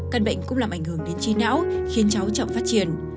căn bệnh cũng làm ảnh hưởng đến trí não khiến cháu chậm phát triển